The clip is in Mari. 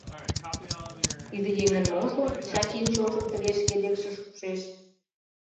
Тиде еҥын можо Чачин чонжым тыге шке декше шупшеш?